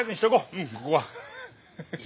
うんここは。